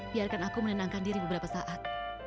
biarkan aku menenangkan diri beberapa saat